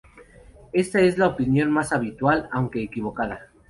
Esta es la opinión más habitual, aunque equivocada.